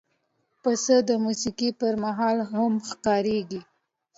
پسه د موسیقۍ پر مهال هم ښکارېږي.